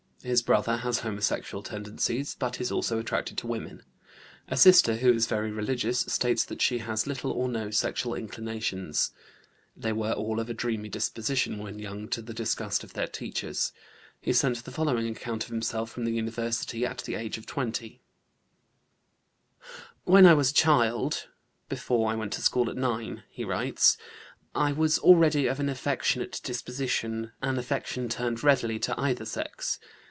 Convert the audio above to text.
His brother has homosexual tendencies, but is also attracted to women. A sister, who is very religious, states that she has little or no sexual inclinations. They were all of a dreamy disposition when young, to the disgust of their teachers. He sent the following account of himself from the University at the age of 20: "When I was a child (before I went to school at 9)," he writes, "I was already of an affectionate disposition, an affection turned readily to either sex.